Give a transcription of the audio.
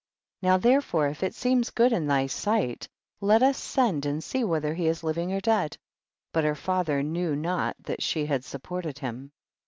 30. Now therefore, if it seem ffood m thy sight, let us send and see whether he is living or dead, but her father knew not that she had support ed him.